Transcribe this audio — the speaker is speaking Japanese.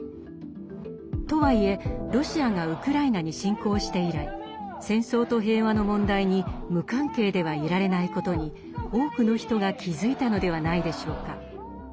とはいえロシアがウクライナに侵攻して以来戦争と平和の問題に無関係ではいられないことに多くの人が気付いたのではないでしょうか。